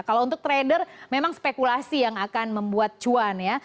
kalau untuk trader memang spekulasi yang akan membuat cuan ya